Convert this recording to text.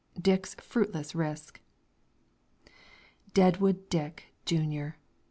DICK'S FRUITLESS RISK. Deadwood Dick, Junior!